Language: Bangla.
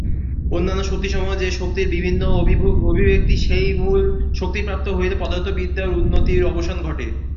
অন্যান্য শক্তিসমূহ যে-শক্তির বিভিন্ন অভিব্যক্তি, সেই মূল শক্তিপ্রাপ্ত হইলে পদার্থবিদ্যার উন্নতির অবসান ঘটে।